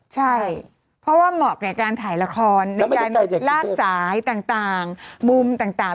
ใช่เพราะว่าเหมาะกับการถ่ายละครในการลากสายต่างมุมต่าง